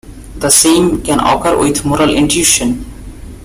The same can occur with moral intuition.